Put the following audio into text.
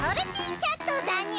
キャットだにゃ！